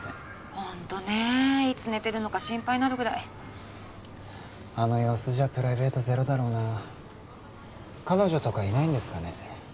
ホントねいつ寝てるのか心配になるぐらいあの様子じゃプライベートゼロだろうな彼女とかいないんですかね？